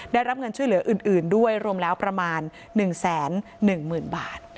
ได้รับเงินช่วยเหลืออื่นด้วยรวมแล้วประมาณ๑๑๐๐๐บาท